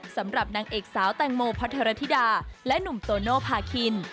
สำหรับนางเอกสาวแตงโมพัทรธิดาและหนุ่มโตโนภาคิน